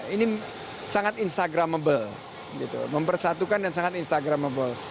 ini sangat instagramable mempersatukan dan sangat instagramable